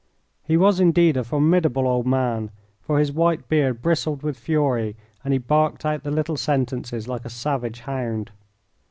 He was, indeed, a formidable old man, for his white beard bristled with fury and he barked out the little sentences like a savage hound.